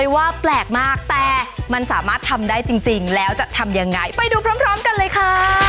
ว่าแปลกมากแต่มันสามารถทำได้จริงแล้วจะทำยังไงไปดูพร้อมกันเลยค่ะ